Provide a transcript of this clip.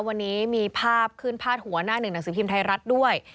วันนี้มีภาพขึ้นพาดหัวหน้าหนึ่งหนังสินทรีย์ภิมธรรมไทยรัฐด้วย